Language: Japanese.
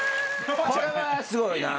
これはすごいな。